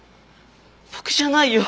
僕じゃないよ！